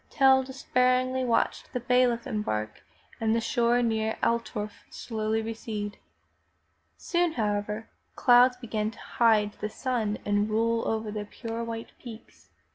Tell despairingly watched the bailiff embark and the shore near Altdorf slowly recede. Soon, however, clouds began to hide the sun and roll down over the pure white peaks.